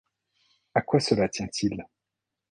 À quoi cela tient-il?